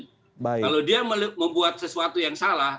kalau dia membuat sesuatu yang salah